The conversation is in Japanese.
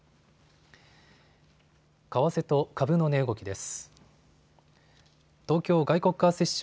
為替と株の値動きです。